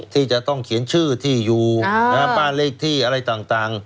ที่จะต้องเขียนชื่อที่อยู่บ้านเลขที่อะไรต่าง